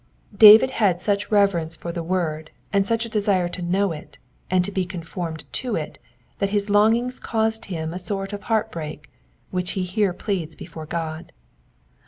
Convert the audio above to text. David had such reverence for the word, and such a desire to know it, and to be conformed to it, that his longings caused him a sort of heart break, which he here pleads before God.